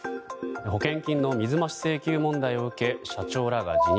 保険金の水増し請求問題を受け社長らが辞任。